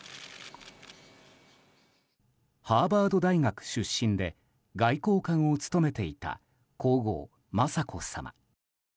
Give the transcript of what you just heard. ハーバード大学出身で外交官を務めていた皇后・雅子さま。